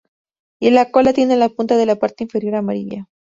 Y la cola tiene la punta de la parte inferior amarilla.